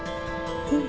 うん。